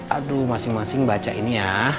aduh masing masing baca ini ya